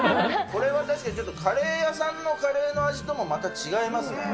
これは確かにカレー屋さんのカレーの味ともまた違いますね。